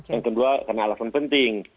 yang kedua karena alasan penting